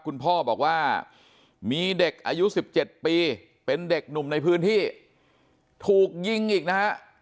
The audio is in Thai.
คุณพ่อบอกว่ามีเด็กอายุ๑๗ปีเป็นเด็กหนุ่มในพื้นที่ถูกยิงอีกนะฮะ